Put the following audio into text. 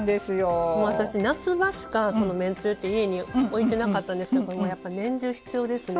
私夏場しかめんつゆって家に置いてなかったんですけどやっぱ年中必要ですね。